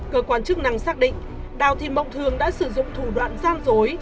cơ quan chức năng xác định đào thị mộng thường đã sử dụng thủ đoạn gian dối